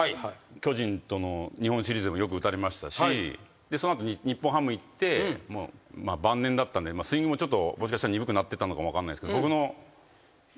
巨人との日本シリーズでもよく打たれましたしその後日本ハム行ってまあ晩年だったんでスイングもちょっともしかしたら鈍くなってたのか分かんないですけど僕の。